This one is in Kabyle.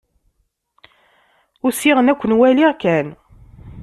Usiɣ-n ad ken-waliɣ kan.